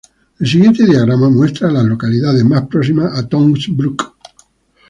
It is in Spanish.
El siguiente diagrama muestra a las localidades más próximas a Toms Brook.